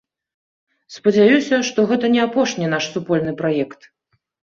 Спадзяюся, што гэта не апошні наш супольны праект.